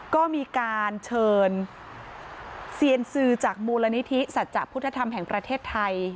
ก็มีการเชิญเซียนซือจากมูลนิธิสัจจะพุทธธรรมแห่งประเทศไทย